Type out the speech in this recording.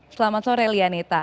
selamat sore lianita